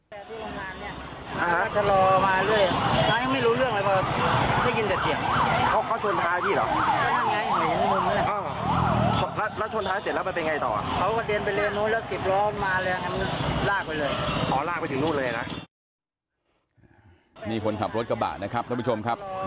ำเดินไปเลยละครีบล้อมาเลยเราก็ได้กินดัดเฉียง